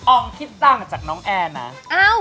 คิดต่างจากน้องแอร์นะ